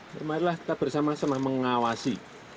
semarilah kita bersama sama mengawasi